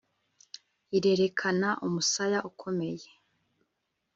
irerekana umusaya ukomeye